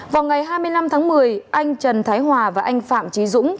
vào ngày hai mươi năm tháng một mươi anh trần thái hòa và anh phạm trí dũng